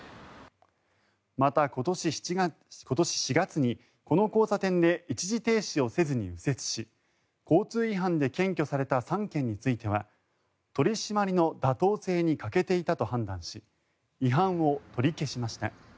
また、今年４月にこの交差点で一時停止をせずに右折し交通違反で検挙された３件については取り締まりの妥当性に欠けていたと判断し違反を取り消しました。